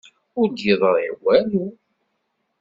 Ur d-yeḍṛi walu.